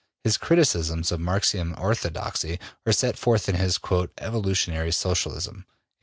His criticisms of Marxian orthodoxy are set forth in his ``Evolutionary Socialism.''